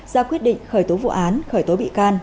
ra quyết định khởi tố vụ án khởi tố bị can